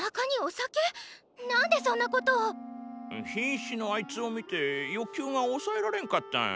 瀕死のあいつを見て欲求が抑えられンかった。